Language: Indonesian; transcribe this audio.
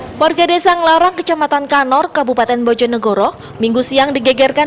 hai porge desa ngelarang kecamatan kanor kabupaten bojonegoro minggu siang digegerkan